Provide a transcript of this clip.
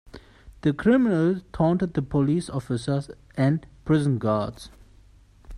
The criminals taunted the police officers and prison guards.